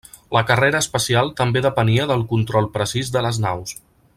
La carrera espacial també depenia del control precís de les naus.